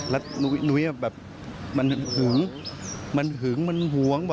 แล้วหนุ้ยมันหึงมันหวง